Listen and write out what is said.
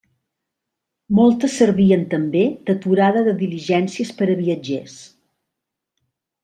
Moltes servien també d'aturada de diligències per a viatgers.